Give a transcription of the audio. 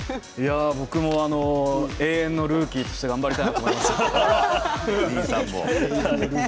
僕も永遠のルーキーとして頑張りたいと思います。